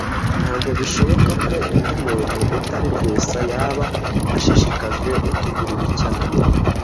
Ntago bishoboka ko undi muntu utari Rwesa yaba ashishikajwe no kugura ibi cyane